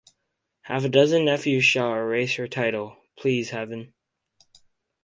Half a dozen nephews shall erase her title, please heaven!